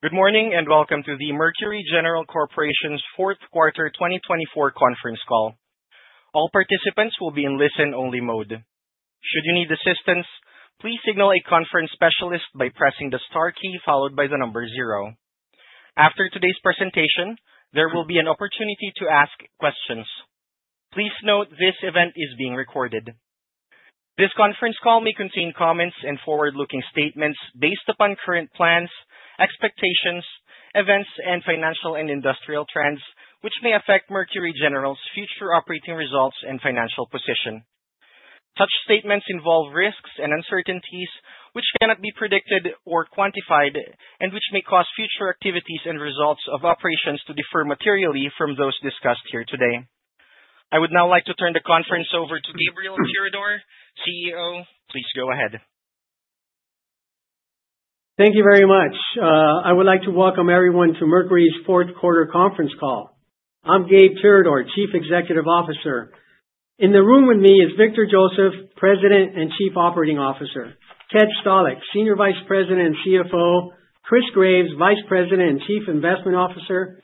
Good morning and welcome to the Mercury General Corporation's fourth quarter 2024 conference call. All participants will be in listen-only mode. Should you need assistance, please signal a conference specialist by pressing the star key followed by the number zero. After today's presentation, there will be an opportunity to ask questions. Please note this event is being recorded. This conference call may contain comments and forward-looking statements based upon current plans, expectations, events, and financial and industry trends which may affect Mercury General's future operating results and financial position. Such statements involve risks and uncertainties which cannot be predicted or quantified and which may cause future activities and results of operations to differ materially from those discussed here today. I would now like to turn the conference over to Gabriel Tirador, CEO. Please go ahead. Thank you very much. I would like to welcome everyone to Mercury's fourth quarter conference call. I'm Gabe Tirador, Chief Executive Officer. In the room with me is Victor Joseph, President and Chief Operating Officer; Ted Stalick, Senior Vice President and CFO; Chris Graves, Vice President and Chief Investment Officer.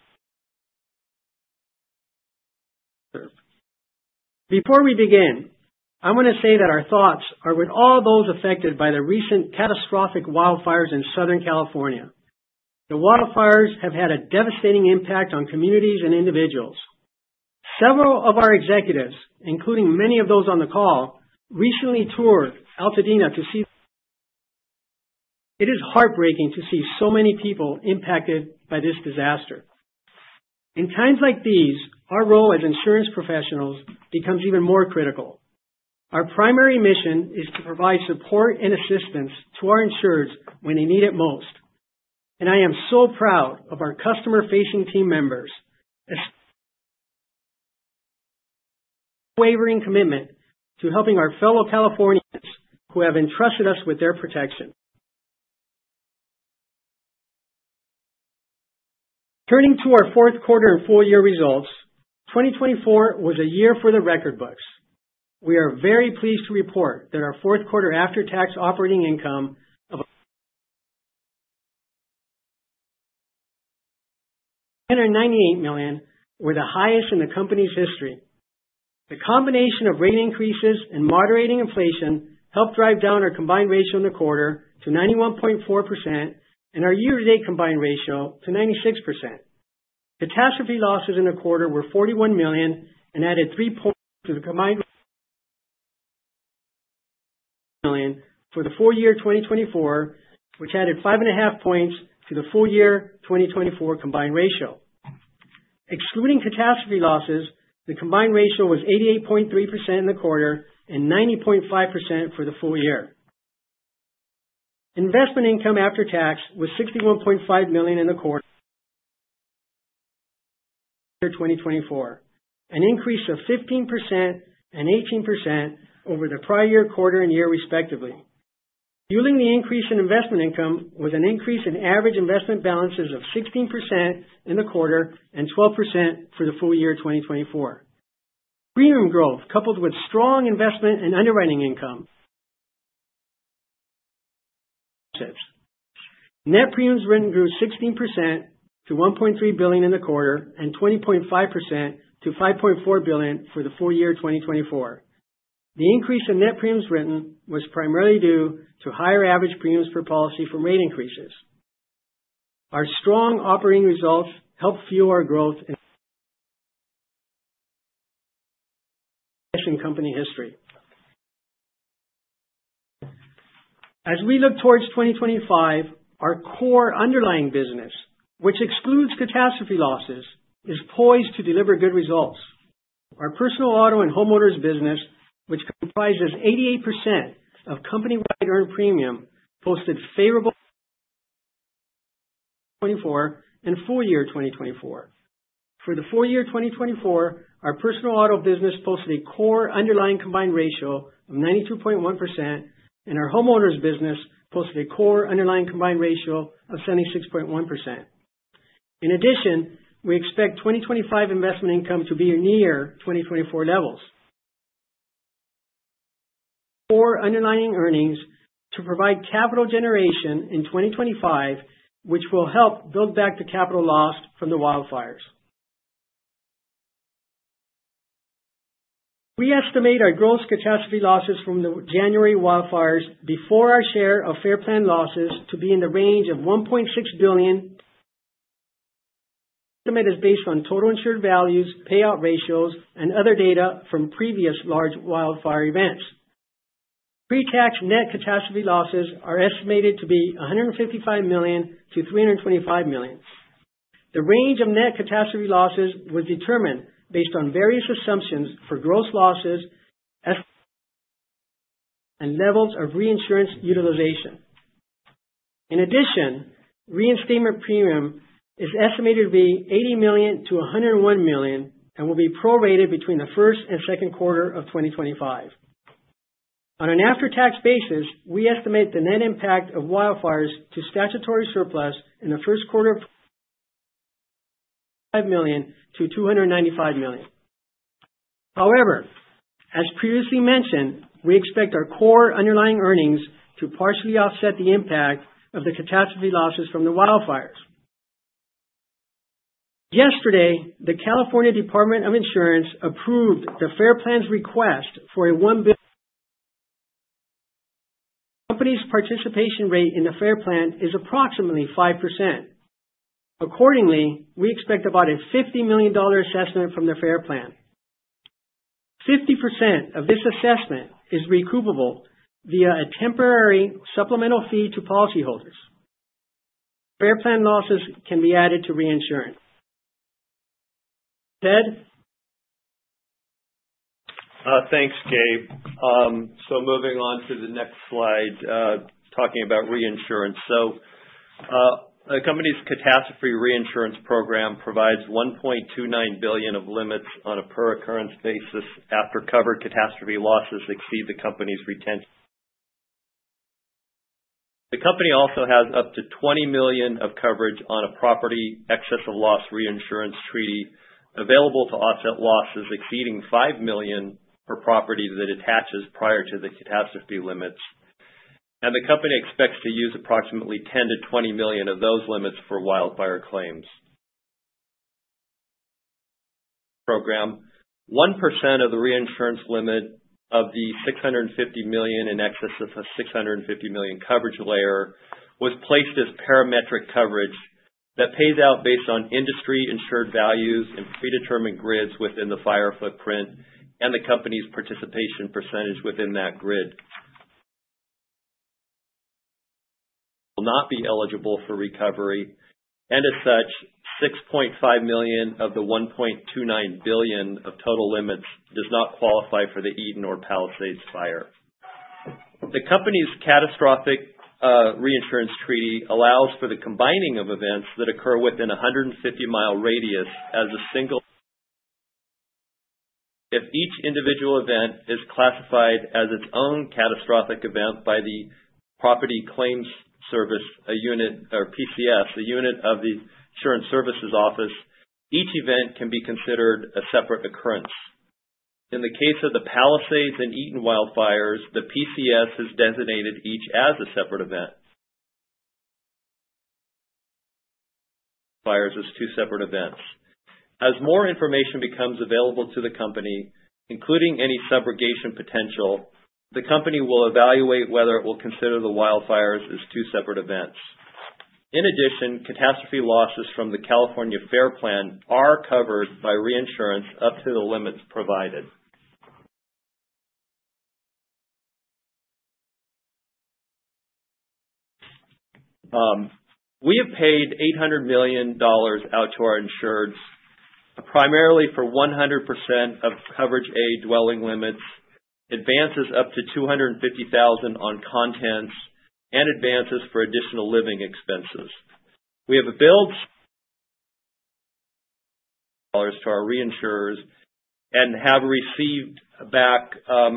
Before we begin, I want to say that our thoughts are with all those affected by the recent catastrophic wildfires in Southern California. The wildfires have had a devastating impact on communities and individuals. Several of our executives, including many of those on the call, recently toured Altadena to. It is heartbreaking to see so many people impacted by this disaster. In times like these, our role as insurance professionals becomes even more critical. Our primary mission is to provide support and assistance to our insureds when they need it most. I am so proud of our customer-facing team members unwavering commitment to helping our fellow Californians who have entrusted us with their protection. Turning to our fourth quarter and full year results, 2024 was a year for the record books. We are very pleased to report that our fourth quarter after-tax operating income of $398 million was the highest in the company's history. The combination of rate increases and moderating inflation helped drive down our combined ratio in the quarter to 91.4% and our year-to-date combined ratio to 96%. Catastrophe losses in the quarter were $41 million and added 3 points to the combined for the full year 2024, which added 5.5 points to the full year 2024 combined ratio. Excluding catastrophe losses, the combined ratio was 88.3% in the quarter and 90.5% for the full year. Investment income after-tax was $61.5 million in the 2024, an increase of 15% and 18% over the prior year quarter and year respectively. Fueling the increase in investment income was an increase in average investment balances of 16% in the quarter and 12% for the full year 2024. Premium growth coupled with strong investment and underwriting income net premiums written grew 16% to $1.3 billion in the quarter and 20.5% to $5.4 billion for the full year 2024. The increase in net premiums written was primarily due to higher average premiums per policy from rate increases. Our strong operating results helped fuel our growth in company history. As we look towards 2025, our core underlying business, which excludes catastrophe losses, is poised to deliver good results. Our personal auto and homeowners business, which comprises 88% of company-wide earned premium, posted favorable 2024 and full year 2024. For the full year 2024, our personal auto business posted a core underlying combined ratio of 92.1%, and our homeowners business posted a core underlying combined ratio of 76.1%. In addition, we expect 2025 investment income to be near 2024 levels core underlying earnings to provide capital generation in 2025, which will help build back the capital lost from the wildfires. We estimate our gross catastrophe losses from the January wildfires before our share of FAIR Plan losses to be in the range of $1.6 billion estimate is based on total insured values, payout ratios, and other data from previous large wildfire events. Pre-tax net catastrophe losses are estimated to be $155 million-$325 million. The range of net catastrophe losses was determined based on various assumptions for gross losses and levels of reinsurance utilization. In addition, reinstatement premium is estimated to be $80 million-$101 million and will be prorated between the first and second quarter of 2025. On an after-tax basis, we estimate the net impact of wildfires to statutory surplus in the first quarter of to $295 million. However, as previously mentioned, we expect our core underlying earnings to partially offset the impact of the catastrophe losses from the wildfires. Yesterday, the California Department of Insurance approved the FAIR Plan's request for a. The company's participation rate in the FAIR Plan is approximately 5%. Accordingly, we expect about a $50 million assessment from the FAIR Plan. 50% of this assessment is recoupable via a temporary supplemental fee to policyholders. FAIR Plan losses can be added to reinsurance. Ted? Thanks, Gabe. So moving on to the next slide, talking about reinsurance. So the company's catastrophe reinsurance program provides $1.29 billion of limits on a per-occurrence basis after covered catastrophe losses exceed the company's. The company also has up to $20 million of coverage on a property excess of loss reinsurance treaty available to offset losses exceeding $5 million per property that attaches prior to the catastrophe limits. And the company expects to use approximately $10 million-$20 million of those limits for wildfire claims. program. 1% of the reinsurance limit of the $650 million in excess of the $650 million coverage layer was placed as parametric coverage that pays out based on industry insured values in predetermined grids within the fire footprint and the company's participation percentage within that grid will not be eligible for recovery. As such, $6.5 million of the $1.29 billion of total limits does not qualify for the Eaton or Palisades Fire. The company's catastrophic reinsurance treaty allows for the combining of events that occur within a 150-mile radius as a single. If each individual event is classified as its own catastrophic event by the Property Claim Services, a unit or PCS, a unit of the Insurance Services Office, each event can be considered a separate occurrence. In the case of the Palisades and Eaton wildfires, the PCS has designated each as a separate event fires as two separate events. As more information becomes available to the company, including any subrogation potential, the company will evaluate whether it will consider the wildfires as two separate events. In addition, catastrophe losses from the California FAIR Plan are covered by reinsurance up to the limits provided. We have paid $800 million out to our insureds, primarily for 100% of coverage A dwelling limits, advances up to $250,000 on contents, and advances for additional living expenses. We have billed to our reinsurers and have received back,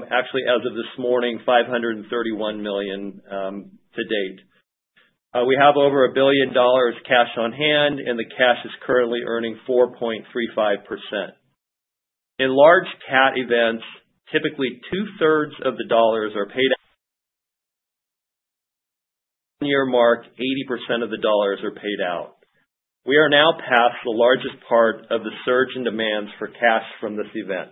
actually as of this morning, $531 million to date. We have over $1 billion cash on hand, and the cash is currently earning 4.35%. In large cat events, typically 2/3 of the dollars are paid year mark, 80% of the dollars are paid out. We are now past the largest part of the surge in demands for cash from this event.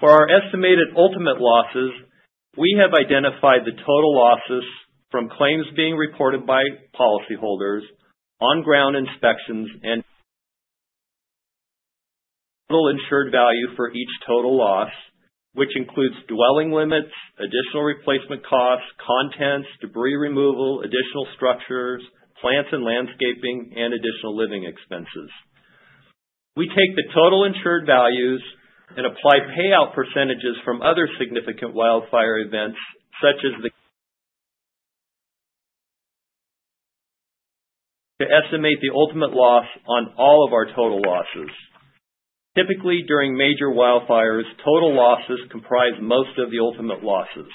For our estimated ultimate losses, we have identified the total losses from claims being reported by policyholders, on-ground inspections, and total insured value for each total loss, which includes dwelling limits, additional replacement costs, contents, debris removal, additional structures, plants and landscaping, and additional living expenses. We take the total insured values and apply payout percentages from other significant wildfire events, such as the to estimate the ultimate loss on all of our total losses. Typically, during major wildfires, total losses comprise most of the ultimate losses.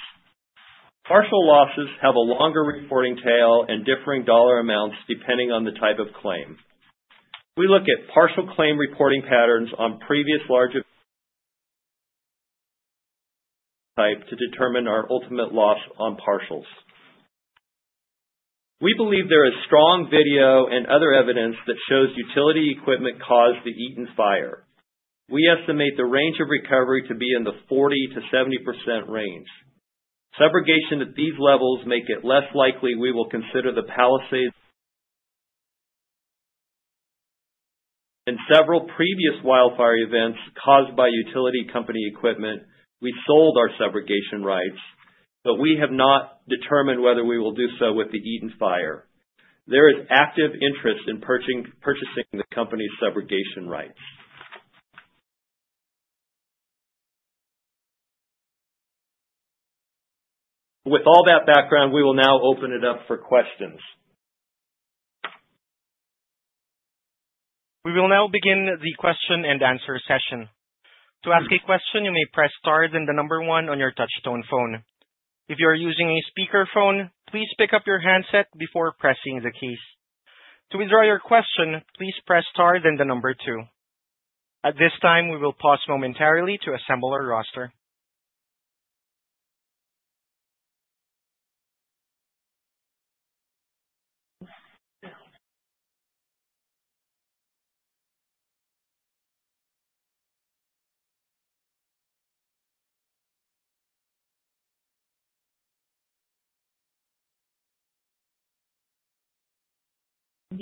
Partial losses have a longer reporting tail and differing dollar amounts depending on the type of claim. We look at partial claim reporting patterns on previous large to determine our ultimate loss on partials. We believe there is strong video and other evidence that shows utility equipment caused the Eaton Fire. We estimate the range of recovery to be in the 40%-70% range. Subrogation at these levels makes it less likely we will consider the Palisades. In several previous wildfire events caused by utility company equipment, we sold our subrogation rights, but we have not determined whether we will do so with the Eaton Fire. There is active interest in purchasing the company's subrogation rights. With all that background, we will now open it up for questions. We will now begin the question and answer session. To ask a question, you may press star then the number one on your touchtone phone. If you are using a speakerphone, please pick up your handset before pressing the keys. To withdraw your question, please press star then the number two. At this time, we will pause momentarily to assemble our roster.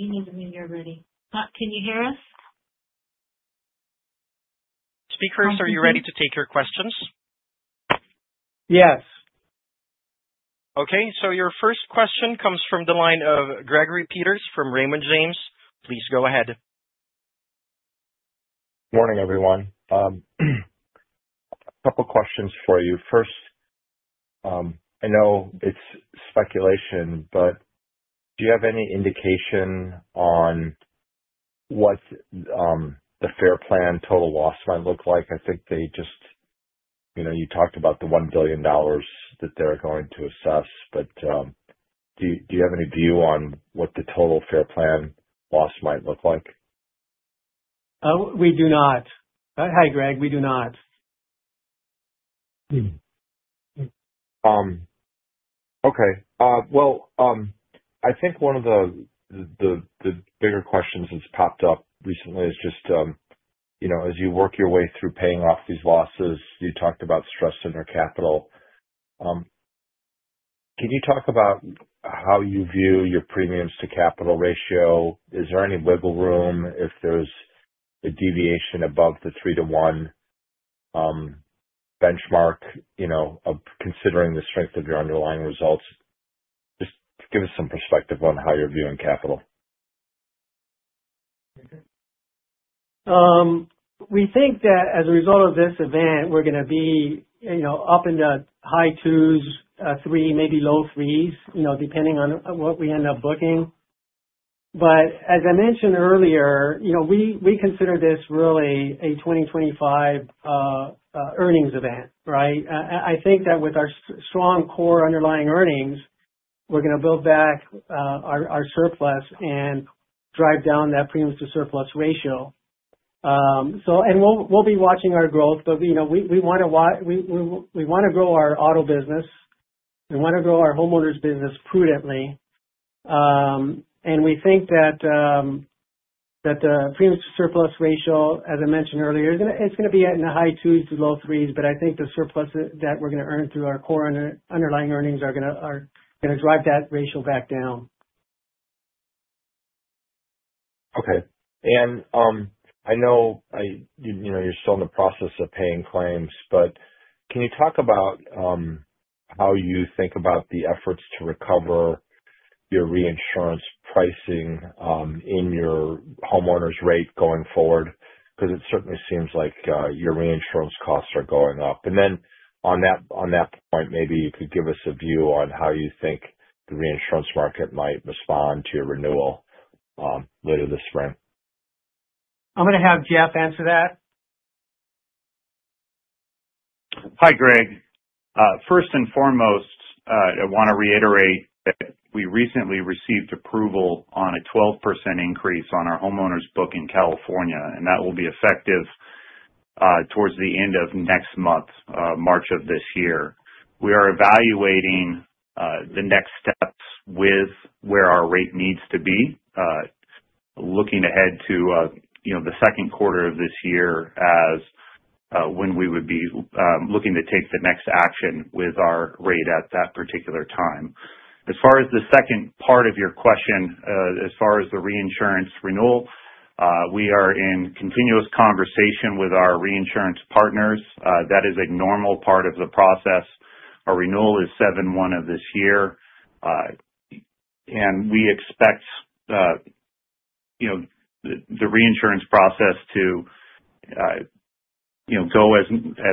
you're ready. Puck, can you hear us? Speakers, are you ready to take your questions? Yes. Okay. So your first question comes from the line of Gregory Peters from Raymond James. Please go ahead. Morning, everyone. A couple of questions for you. First, I know it's speculation, but do you have any indication on what the FAIR Plan total loss might look like? I think they just, you talked about the $1 billion that they're going to assess, but do you have any view on what the total FAIR Plan loss might look like? We do not. Hi, Greg. We do not. Okay. I think one of the bigger questions that's popped up recently is just, as you work your way through paying off these losses, you talked about stressing your capital. Can you talk about how you view your premiums-to-capital ratio? Is there any wiggle room if there's a deviation above the 3-to-1 benchmark of considering the strength of your underlying results? Just give us some perspective on how you're viewing capital. We think that as a result of this event, we're going to be up in the high 2s, a 3, maybe low 3s, depending on what we end up booking, but as I mentioned earlier, we consider this really a 2025 earnings event, right? I think that with our strong core underlying earnings, we're going to build back our surplus and drive down that premiums-to-surplus ratio. And we'll be watching our growth, but we want to grow our auto business. We want to grow our homeowners business prudently. And we think that the premiums-to-surplus ratio, as I mentioned earlier, it's going to be in the high 2s to low 3s, but I think the surplus that we're going to earn through our core underlying earnings are going to drive that ratio back down. Okay. And I know you're still in the process of paying claims, but can you talk about how you think about the efforts to recover your reinsurance pricing in your homeowners rate going forward? Because it certainly seems like your reinsurance costs are going up. And then on that point, maybe you could give us a view on how you think the reinsurance market might respond to your renewal later this spring. I'm going to have Jeff answer that. Hi, Greg. First and foremost, I want to reiterate that we recently received approval on a 12% increase on our homeowners book in California, and that will be effective towards the end of next month, March of this year. We are evaluating the next steps with where our rate needs to be, looking ahead to the second quarter of this year as when we would be looking to take the next action with our rate at that particular time. As far as the second part of your question, as far as the reinsurance renewal, we are in continuous conversation with our reinsurance partners. That is a normal part of the process. Our renewal is 7/1 of this year, and we expect the reinsurance process to go as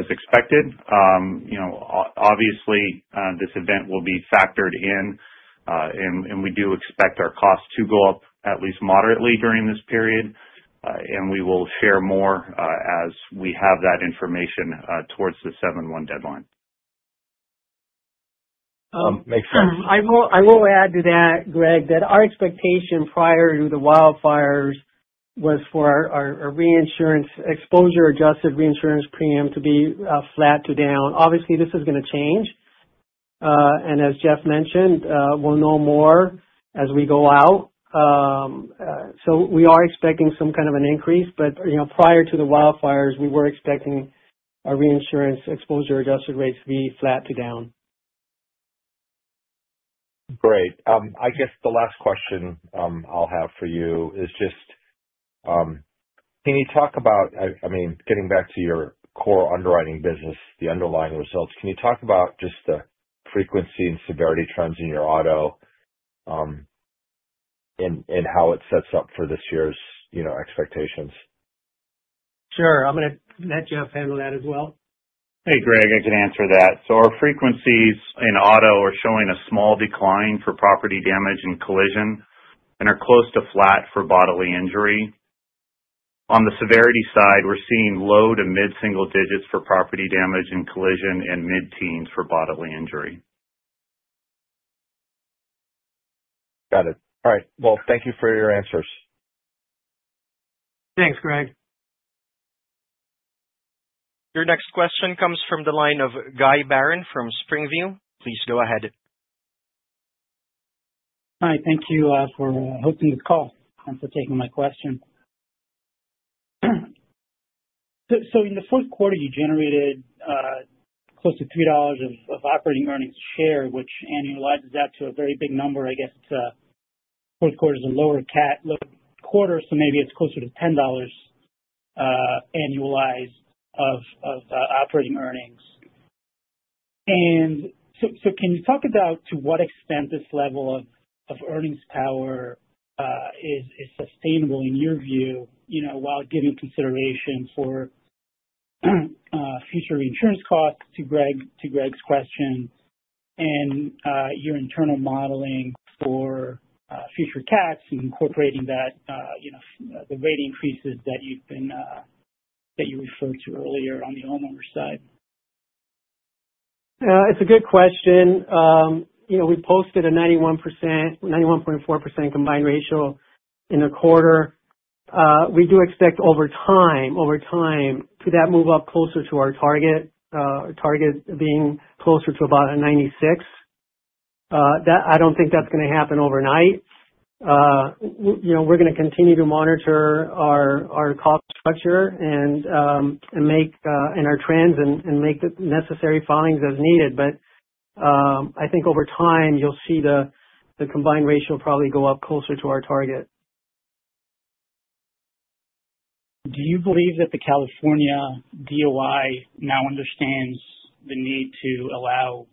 expected. Obviously, this event will be factored in, and we do expect our costs to go up at least moderately during this period. We will share more as we have that information towards the 7/1 deadline. Makes sense. I will add to that, Greg, that our expectation prior to the wildfires was for our reinsurance exposure-adjusted reinsurance premium to be flat to down. Obviously, this is going to change, and as Jeff mentioned, we'll know more as we go out. So we are expecting some kind of an increase, but prior to the wildfires, we were expecting our reinsurance exposure adjusted rates to be flat to down. Great. I guess the last question I'll have for you is just can you talk about, I mean, getting back to your core underwriting business, the underlying results. Can you talk about just the frequency and severity trends in your auto and how it sets up for this year's expectations? Sure. I'm going to let Jeff handle that as well. Hey, Greg, I can answer that. So our frequencies in auto are showing a small decline for property damage and collision and are close to flat for bodily injury. On the severity side, we're seeing low to mid-single digits for property damage and collision and mid-teens for bodily injury. Got it. All right. Well, thank you for your answers. Thanks, Greg. Your next question comes from the line of Guy Baron from Springview. Please go ahead. Hi. Thank you for hosting this call and for taking my question. So in the fourth quarter, you generated close to $3 of operating earnings per share, which annualizes out to a very big number. I guess the fourth quarter is a lower cat quarter, so maybe it's closer to $10 annualized of operating earnings. And so can you talk about to what extent this level of earnings power is sustainable in your view while giving consideration for future reinsurance costs, to Greg's question, and your internal modeling for future cats and incorporating the rate increases that you referred to earlier on the homeowners side? It's a good question. We posted a 91.4% combined ratio in the quarter. We do expect over time to that move up closer to our target, our target being closer to about a 96%. I don't think that's going to happen overnight. We're going to continue to monitor our cost structure and our trends and make the necessary filings as needed. But I think over time, you'll see the combined ratio probably go up closer to our target. Do you believe that the California DOI now understands the need to allow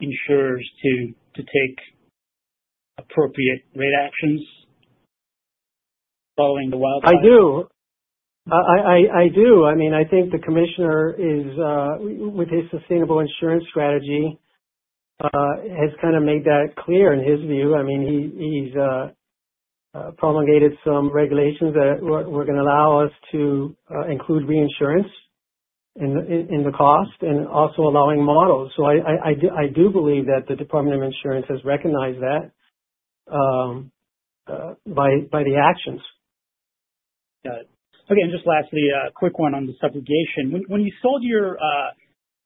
insurers to take appropriate rate actions following the wildfires? I do. I do. I mean, I think the commissioner, with his Sustainable Insurance Strategy, has kind of made that clear in his view. I mean, he's promulgated some regulations that were going to allow us to include reinsurance in the cost and also allowing models. So I do believe that the Department of Insurance has recognized that by the actions. Got it. Okay. And just lastly, a quick one on the subrogation. When you sold your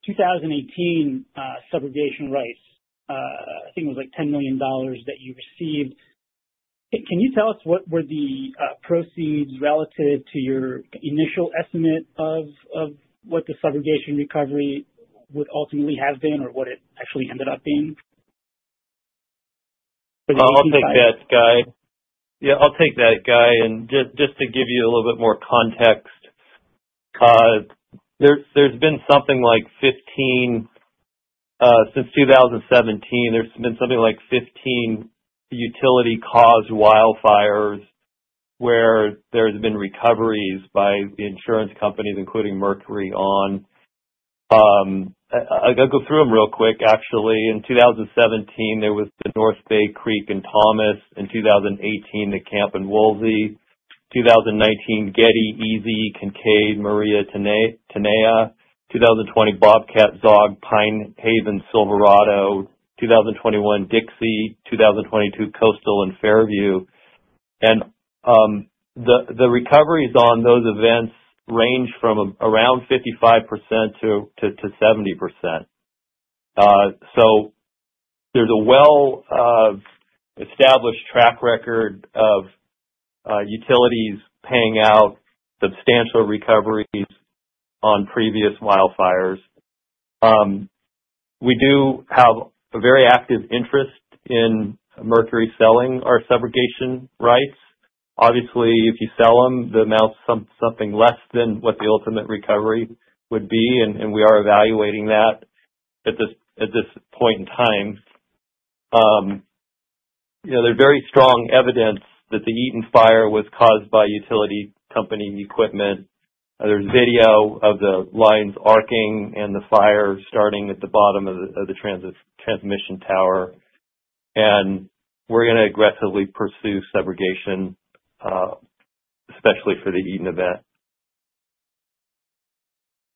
2018 subrogation rights, I think it was like $10 million that you received. Can you tell us what were the proceeds relative to your initial estimate of what the subrogation recovery would ultimately have been or what it actually ended up being? I'll take that, Guy. Yeah, I'll take that, Guy, and just to give you a little bit more context, since 2017, there's been something like 15 utility-caused wildfires where there have been recoveries by the insurance companies, including Mercury, on. I'll go through them real quick, actually. In 2017, there was the North Bay, Creek, and Thomas. In 2018, the Camp and Woolsey. 2019, Getty, Easy, Kincade, Maria, Tenaja. 2020, Bobcat, Zogg, Pinehaven, Silverado. 2021, Dixie. 2022, Coastal and Fairview. And the recoveries on those events range from around 55%-70%, so there's a well-established track record of utilities paying out substantial recoveries on previous wildfires. We do have a very active interest in Mercury selling our subrogation rights. Obviously, if you sell them, the amount is something less than what the ultimate recovery would be, and we are evaluating that at this point in time. There's very strong evidence that the Eaton Fire was caused by utility company equipment. There's video of the lines arcing and the fire starting at the bottom of the transmission tower, and we're going to aggressively pursue subrogation, especially for the Eaton event.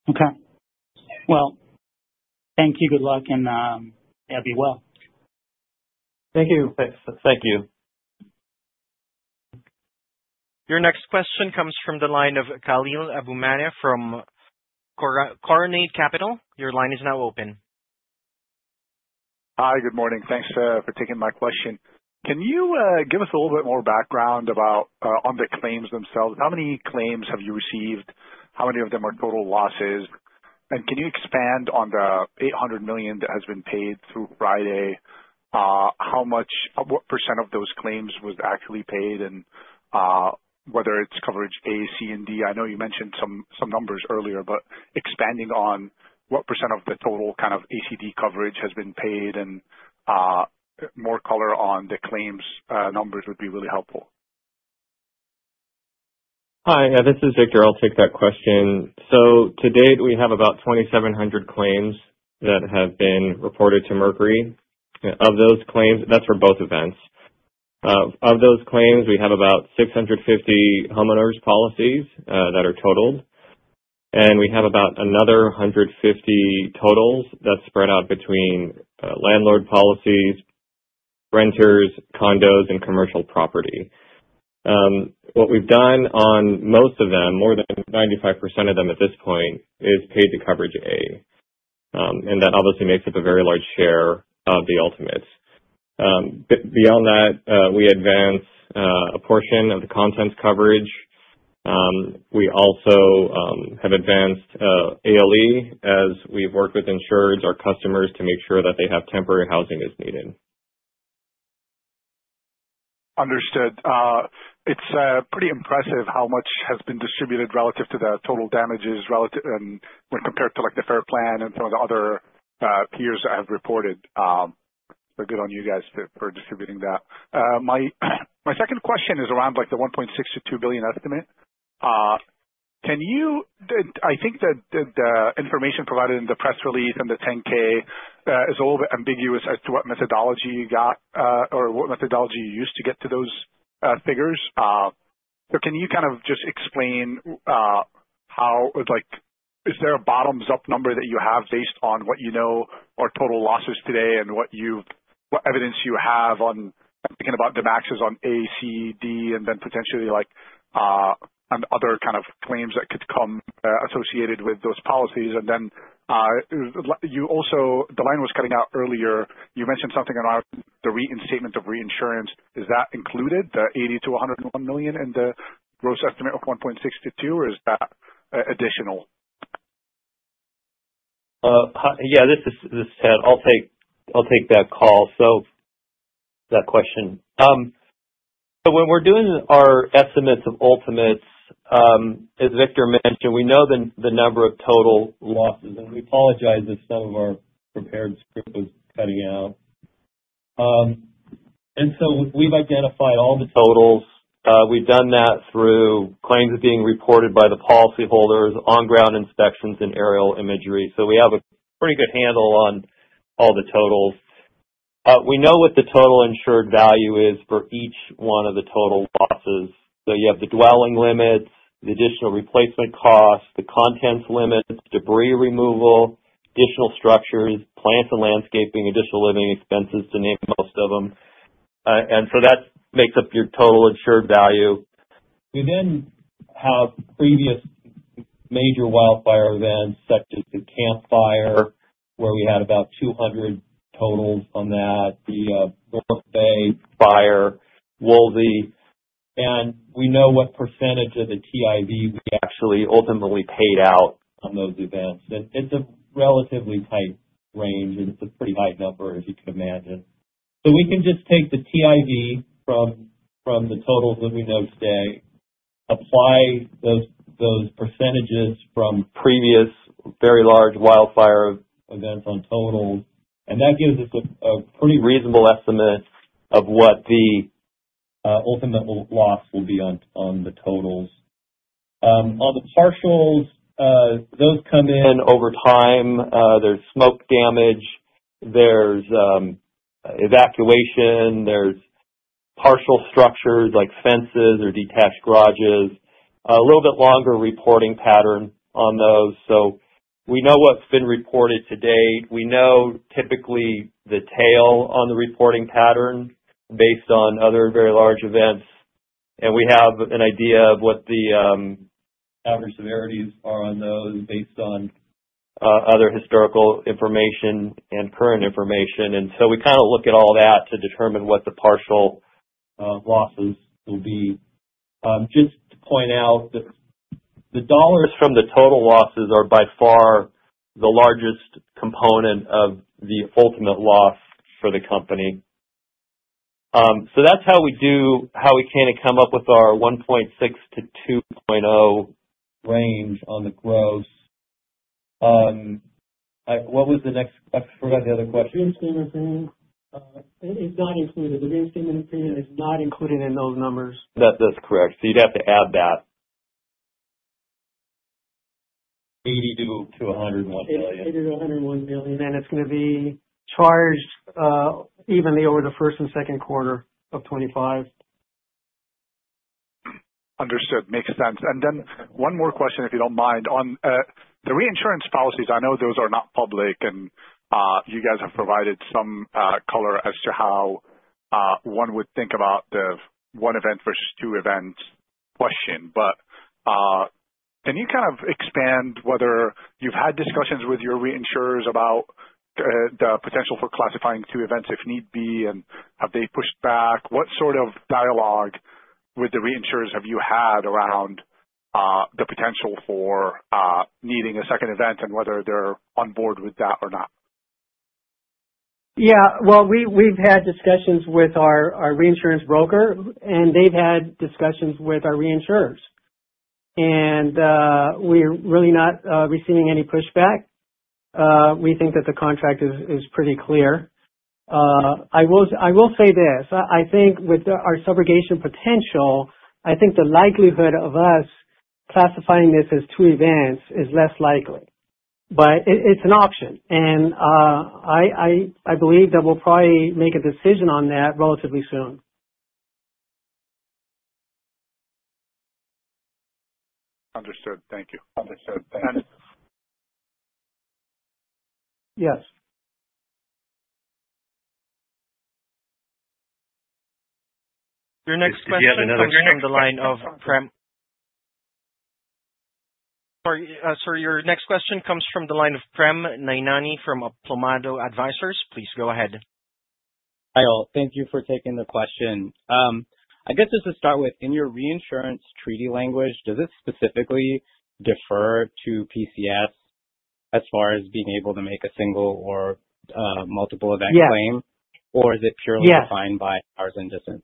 Okay. Well, thank you. Good luck, and be well. Thank you. Thanks. Thank you. Your next question comes from the line of Khalil AbuManneh from Carronade Capital. Your line is now open. Hi, good morning. Thanks for taking my question. Can you give us a little bit more background on the claims themselves? How many claims have you received? How many of them are total losses? And can you expand on the $800 million that has been paid through Friday? What percent of those claims was actually paid? And whether it's coverage A, C, and D. I know you mentioned some numbers earlier, but expanding on what percent of the total kind of A, C, D coverage has been paid and more color on the claims numbers would be really helpful. Hi. This is Victor. I'll take that question. So to date, we have about 2,700 claims that have been reported to Mercury. Of those claims, that's for both events. Of those claims, we have about 650 homeowners' policies that are totaled. And we have about another 150 totals that spread out between landlord policies, renters, condos, and commercial property. What we've done on most of them, more than 95% of them at this point, is paid the coverage A. And that obviously makes up a very large share of the ultimates. Beyond that, we advance a portion of the contents coverage. We also have advanced ALE, as we've worked with insureds, our customers, to make sure that they have temporary housing as needed. Understood. It's pretty impressive how much has been distributed relative to the total damages when compared to the FAIR Plan and some of the other peers that have reported. So good on you guys for distributing that. My second question is around the $1.6 billion-$2 billion estimate. I think that the information provided in the press release and the 10-K is a little bit ambiguous as to what methodology you got or what methodology you used to get to those figures, so can you kind of just explain how? Is there a bottoms-up number that you have based on what you know are total losses today and what evidence you have on thinking about the maxes on A, C, D, and then potentially on other kind of claims that could come associated with those policies? And then the line was cutting out earlier. You mentioned something around the reinstatement of reinsurance. Is that included, the $80 million-$101 million, in the gross estimate of $1.6 billion-$2 billion, or is that additional? Yeah, this is Ted. I'll take that call, so that question. So when we're doing our estimates of ultimates, as Victor mentioned, we know the number of total losses. And we apologize if some of our prepared script was cutting out. And so we've identified all the totals. We've done that through claims being reported by the policyholders, on-ground inspections, and aerial imagery, so we have a pretty good handle on all the totals. We know what the total insured value is for each one of the total losses. So you have the dwelling limits, the additional replacement costs, the contents limits, debris removal, additional structures, plants and landscaping, additional living expenses, to name most of them. And so that makes up your total insured value. We then have previous major wildfire events such as the Camp Fire, where we had about 200 totals on that, the North Bay Fire, Woolsey. We know what percentage of the TIV we actually ultimately paid out on those events. It's a relatively tight range, and it's a pretty high number, as you can imagine. We can just take the TIV from the totals that we know today, apply those percentages from previous very large wildfire events on totals. That gives us a pretty reasonable estimate of what the ultimate loss will be on the totals. On the partials, those come in over time. There's smoke damage. There's evacuation. There's partial structures like fences or detached garages. A little bit longer reporting pattern on those. We know what's been reported to date. We know typically the tail on the reporting pattern based on other very large events. We have an idea of what the average severities are on those based on other historical information and current information. And so we kind of look at all that to determine what the partial losses will be. Just to point out that the dollars from the total losses are by far the largest component of the ultimate loss for the company. So that's how we kind of come up with our $1.6 billion-$2.0 billion range on the gross. What was the next? I forgot the other question. Reinstatement premiums. It's not included. The reinstatement premium is not included in those numbers. That's correct. So you'd have to add that $80 million-$101 million. $80 million-$101 million, and it's going to be charged evenly over the first and second quarter of 2025. Understood. Makes sense. And then one more question, if you don't mind. On the reinsurance policies, I know those are not public. And you guys have provided some color as to how one would think about the one event versus two events question, but can you kind of expand whether you've had discussions with your reinsurers about the potential for classifying two events if need be? And have they pushed back? What sort of dialogue with the reinsurers have you had around the potential for needing a second event and whether they're on board with that or not? Yeah. Well, we've had discussions with our reinsurance broker, and they've had discussions with our reinsurers. And we're really not receiving any pushback. We think that the contract is pretty clear. I will say this: I think, with our subrogation potential, I think the likelihood of us classifying this as two events is less likely. But it's an option. And I believe that we'll probably make a decision on that relatively soon. Understood. Thank you. Yes. Sorry. Your next question comes from the line of Prem Nainani from Aplomado Advisors. Please go ahead. Hi all. Thank you for taking the question. I guess, just to start with, in your reinsurance treaty language, does it specifically defer to PCS as far as being able to make a single or multiple event claim? Or is it purely defined by hours and distance?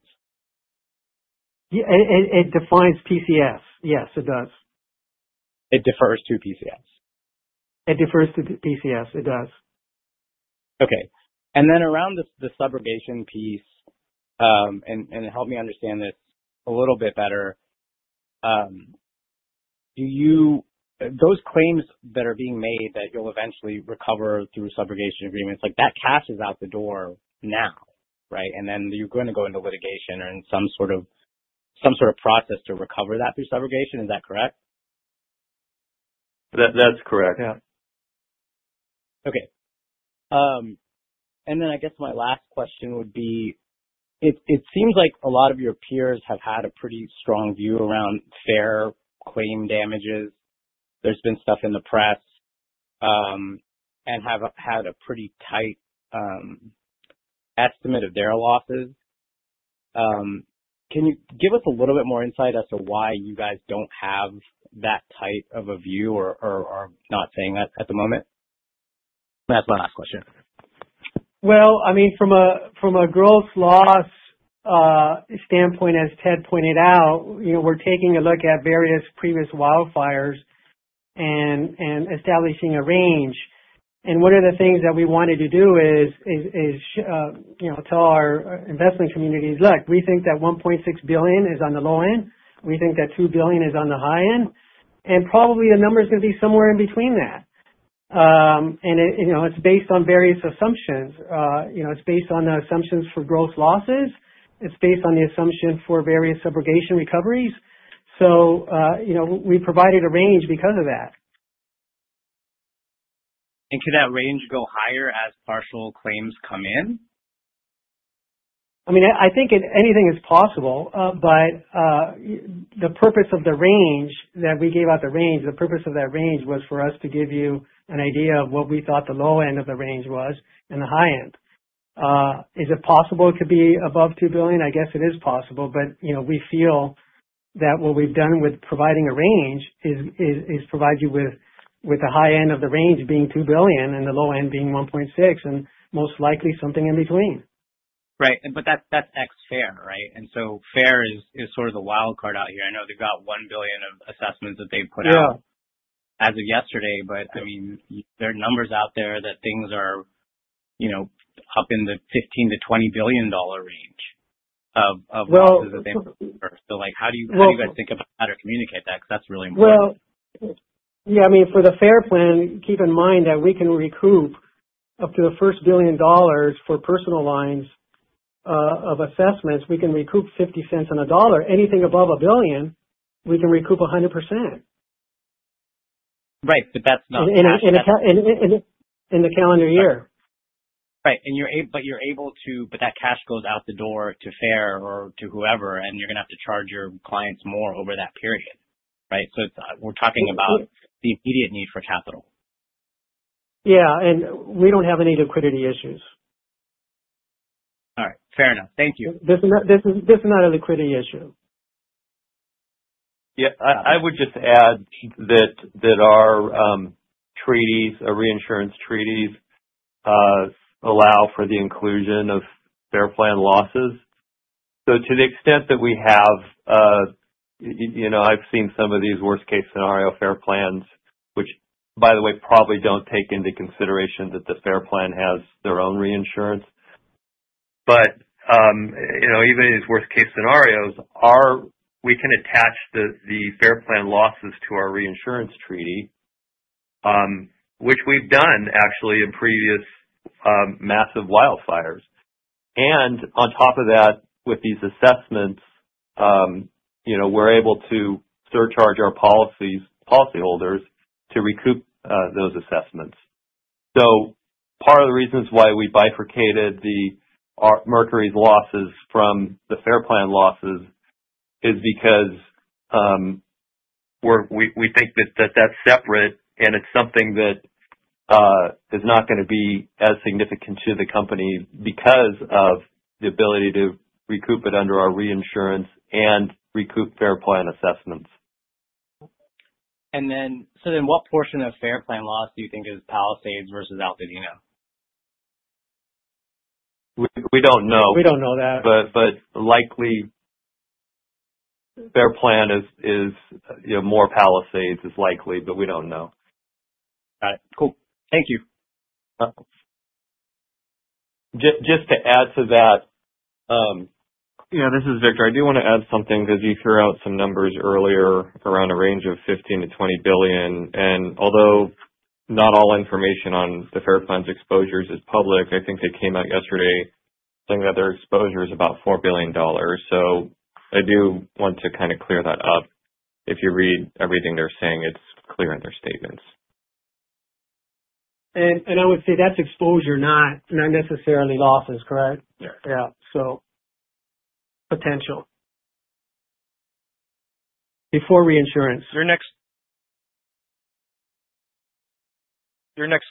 It defines PCS. Yes, it does. It defers to PCS. It defers to PCS. It does. Okay. And then around the subrogation piece, and help me understand this a little bit better, those claims that are being made that you'll eventually recover through subrogation agreements, that cash is out the door now, right? And then you're going to go into litigation or in some sort of process to recover that through subrogation. Is that correct? That's correct. Yeah. Okay. And then I guess my last question would be it seems like a lot of your peers have had a pretty strong view around FAIR claim damages. There's been stuff in the press and have had a pretty tight estimate of their losses. Can you give us a little bit more insight as to why you guys don't have that type of a view or are not saying that at the moment? That's my last question. Well, I mean, from a gross loss standpoint, as Ted pointed out, we're taking a look at various previous wildfires and establishing a range. And one of the things that we wanted to do is tell our investment communities, "Look, we think that $1.6 billion is on the low end. We think that $2 billion is on the high end." And probably the number is going to be somewhere in between that. And it's based on various assumptions. It's based on assumptions for gross losses. It's based on the assumption for various subrogation recoveries. So we provided a range because of that. Can that range go higher as partial claims come in? I mean, I think anything is possible. But the purpose of the range that we gave out, the purpose of that range was for us to give you an idea of what we thought the low end of the range was and the high end. Is it possible to be above $2 billion? I guess it is possible. But we feel that what we've done with providing a range is provide you with the high end of the range being $2 billion and the low end being $1.6 billion and most likely something in-between. Right. But that's ex FAIR, right, and so FAIR is sort of the wild card out here. I know they've got $1 billion of assessments that they've put out as of yesterday, but I mean, there are numbers out there that things are up in the $15 billion-$20 billion range of losses [that they've recovered], so how do you guys think about that or communicate that? Because that's really important. Yeah. I mean, for the FAIR Plan, keep in mind that we can recoup up to the first $1 billion for personal lines of assessments. We can recoup $0.50 on $1. Anything above $1 billion, we can recoup 100%. Right. But that's not cash. That's. In the calendar year. Right. But you're able to, but that cash goes out the door to FAIR or to whoever, and you're going to have to charge your clients more over that period, right? So we're talking about the immediate need for capital. Yeah. We don't have any liquidity issues. All right. Fair enough. Thank you. This is not a liquidity issue. Yeah. I would just add that our treaties, our reinsurance treaties, allow for the inclusion of FAIR Plan losses. So to the extent that we have, I've seen some of these worst-case scenario FAIR plans, which, by the way, probably don't take into consideration that the FAIR Plan has their own reinsurance. But even in these worst-case scenarios, we can attach the FAIR Plan losses to our reinsurance treaty, which we've done actually in previous massive wildfires. And on top of that, with these assessments, we're able to surcharge our policyholders to recoup those assessments. So part of the reasons why we bifurcated the Mercury's losses from the FAIR Plan losses is because we think that that's separate and it's something that is not going to be as significant to the company because of the ability to recoup it under our reinsurance and recoup FAIR Plan assessments. What portion of FAIR Plan loss do you think is Palisades versus Altadena? We don't know. We don't know that. But likely, Fair Plan is more Palisades is likely, but we don't know. Got it. Cool. Thank you. Yes. Just to add to that. This is Victor. I do want to add something because you threw out some numbers earlier around a range of $15 billion-$20 billion. And although not all information on the FAIR Plan's exposures is public, I think they came out yesterday saying that their exposure is about $4 billion, so I do want to kind of clear that up. If you read everything they're saying, it's clear in their statements. I would say that's exposure, not necessarily losses, correct? Yes. Yeah. So, potential before reinsurance. Your next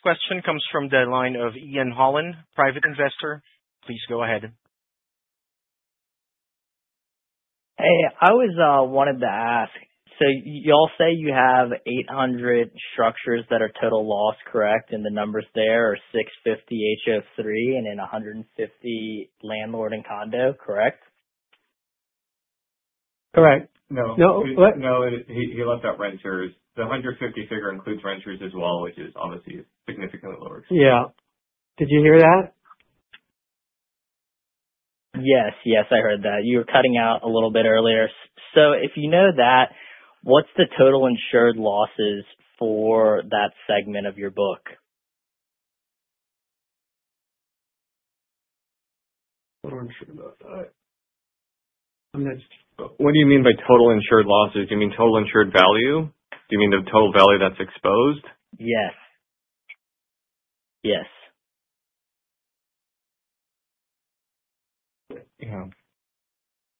question comes from the line of [Ian Holland], private investor. Please go ahead. Hey, I was wanting to ask. So you all say you have 800 structures that are total loss, correct? And the numbers there are 650 HO3 and then 150 landlord and condo, correct? Correct. No. No. No. He left out renters. The 150 figure includes renters as well, which is obviously significantly. Yeah. Did you hear that? Yes. Yes, I heard that. You were cutting out a little bit earlier. So if you know that, what's the total insured losses for that segment of your book? Total insured losses. I mean that's. What do you mean by total insured losses? Do you mean total insured value? Do you mean the total value that's exposed? Yes. Yes.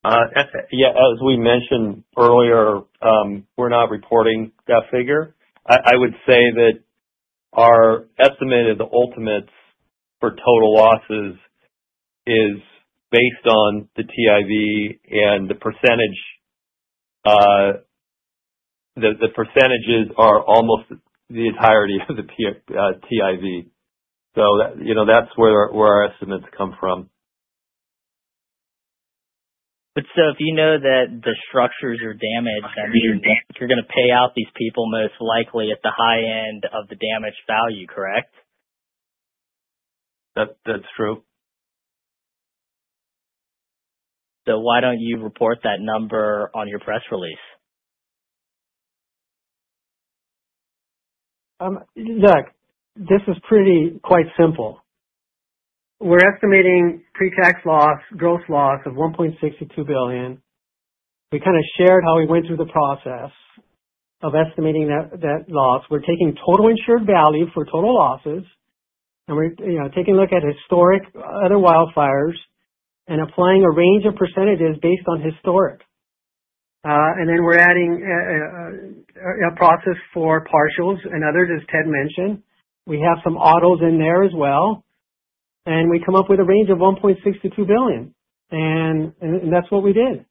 Yeah. As we mentioned earlier, we're not reporting that figure. I would say that our estimate of the ultimates for total losses is based on the TIV, and the percentages are almost the entirety of the TIV. So that's where our estimates come from. But so if you know that the structures are damaged, you're going to pay out these people most likely at the high end of the damage value, correct? That's true. So why don't you report that number on your press release? Look, this is quite simple. We're estimating pre-tax loss, gross loss, of $1.6 billion-$2 billion. We kind of shared how we went through the process of estimating that loss. We're taking total insured value for total losses and taking a look at historic other wildfires and applying a range of percentages based on historic. And then we're adding a process for partials and others, as Ted mentioned. We have some autos in there as well. And we come up with a range of $1.6 billion-$2 billion. And that's what we did.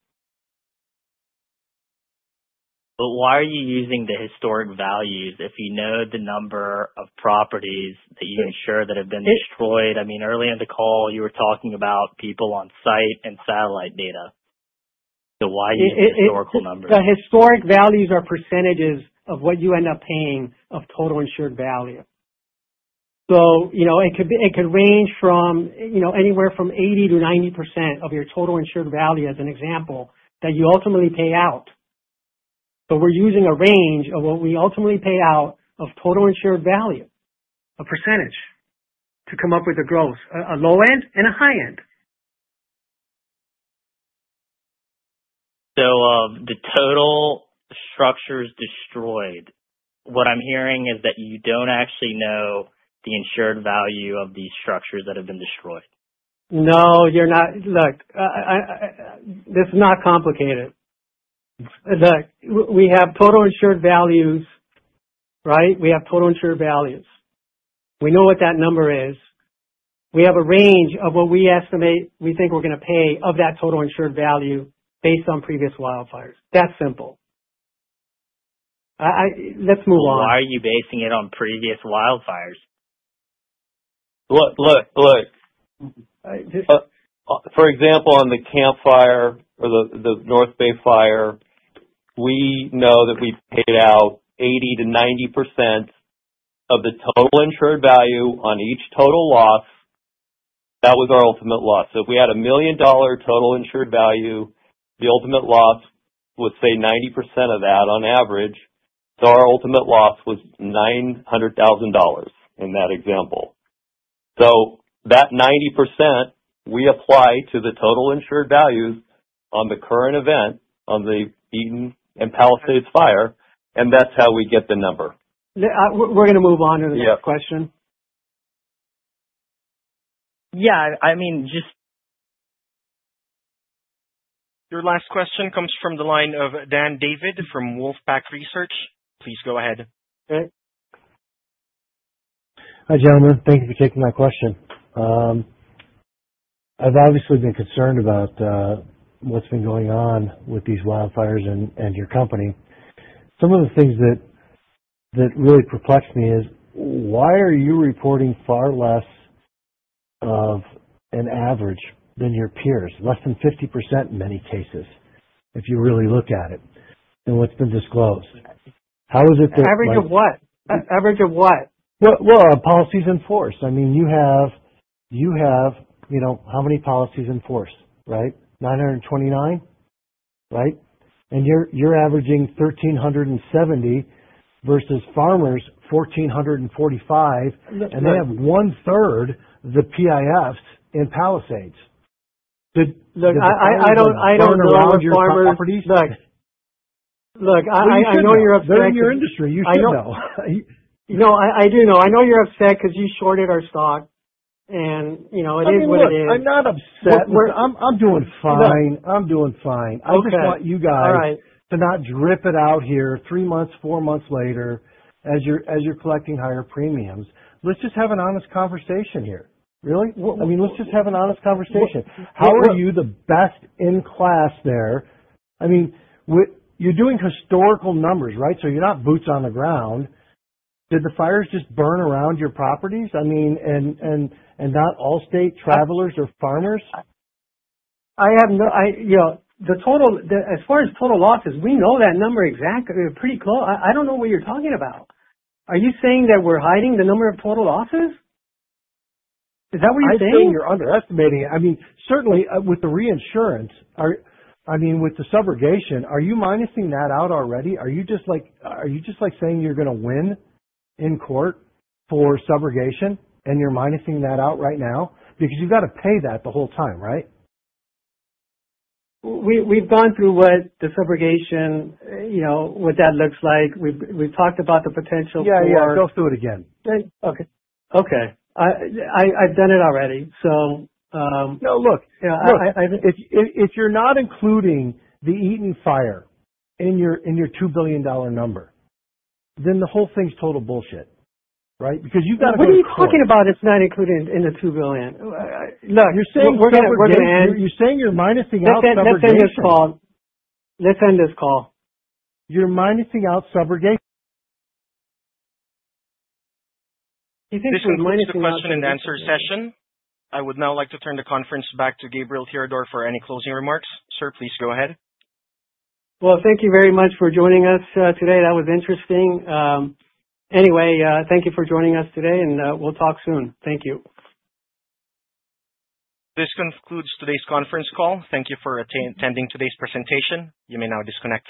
But why are you using the historic values if you know the number of properties that you insure that have been destroyed? I mean, earlier in the call, you were talking about people on site and satellite data. So why use historical numbers? The historic values are percentages of what you end up paying of total insured value. So it could range from anywhere from 80%-90% of your total insured value, as an example, that you ultimately pay out. But we're using a range of what we ultimately pay out of total insured value, a percentage, to come up with a gross, a low end and a high end. So of the total structures destroyed, what I'm hearing is that you don't actually know the insured value of these structures that have been destroyed. No, you're not. Look, this is not complicated. Look, we have total insured values, right? We have total insured values. We know what that number is. We have a range of what we estimate we think we're going to pay of that total insured value based on previous wildfires. That's simple. Let's move on. Why are you basing it on previous wildfires? Look, look, look. For example, on the Camp Fire or the North Bay Fire, we know that we paid out 80%-90% of the total insured value on each total loss. That was our ultimate loss. So if we had a $1 million total insured value, the ultimate loss would say 90% of that on average. So our ultimate loss was $900,000 in that example. So that 90%, we apply to the total insured values on the current event, on the Eaton and Palisades Fire, and that's how we get the number. We're going to move on to the next question. Yeah. I mean just. Your last question comes from the line of Dan David from Wolfpack Research. Please go ahead. Hi, gentlemen. Thank you for taking my question. I've obviously been concerned about what's been going on with these wildfires and your company. Some of the things that really perplex me is why are you reporting far less of an average than your peers, less than 50% in many cases, if you really look at it, than what's been disclosed. How is it that? Average of what? Average of what? Well, policies in force. I mean, you have how many policies in force, right, 929, right? And you're averaging 1,370 versus Farmers' 1,445. And they have 1/3 the PIFs in Palisades. Look, I don't know Farmers'. your properties. Look, I know you're upset. Well, you should know. You're in your industry. You should know. No, I do know. I know you're upset because you shorted our stock. And it is what it is. I'm not upset. I'm doing fine. I'm doing fine. Okay, all right. I just want you guys to not drip it out here three months, four months later as you're collecting higher premiums. Let's just have an honest conversation here really. I mean, let's just have an honest conversation. How are you the best in class there? I mean, you're doing historical numbers, right? So you're not boots on the ground. Did the fires just burn around your properties, I mean, and not Allstate, Travelers, or Farmers? I have the total as far as total losses. We know that number exactly. We're pretty I don't know what you're talking about. Are you saying that we're hiding the number of total losses? Is that what you're saying? I'm saying you're underestimating it. I mean, certainly with the reinsurance, I mean, with the subrogation, are you minusing that out already? Are you just saying you're going to win in court for subrogation and you're minusing that out right now? Because you've got to pay that the whole time, right? We've gone through what the subrogation, what that looks like. We've talked about the potential for. Yeah. Yeah. Go through it again. Okay. I've done it already, so. No, look. If you're not including the Eaton Fire in your $2 billion number, then the whole thing's total bullshit, right? Because you've. What are you talking about it's not included in the $2 billion? You're saying subrogation. Look, we're going to end. You're saying you're minusing out subrogation. Let's end this call. Let's end this call. You're minusing out. He's saying we're minusing out. This concludes the question-and-answer session. I would now like to turn the conference back to Gabriel Tirador for any closing remarks. Sir, please go ahead. Thank you very much for joining us today. That was interesting. Anyway, thank you for joining us today, and we'll talk soon. Thank you. This concludes today's conference call. Thank you for attending today's presentation. You may now disconnect.